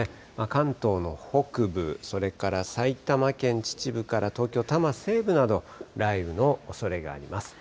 関東の北部、それから埼玉県秩父から東京・多摩西部など、雷雨のおそれがあります。